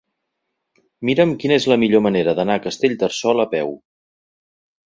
Mira'm quina és la millor manera d'anar a Castellterçol a peu.